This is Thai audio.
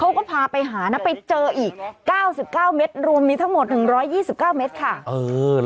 เขาก็พาไปหานะไปเจออีก๙๙เมตรรวมมีทั้งหมด๑๒๙เมตรค่ะ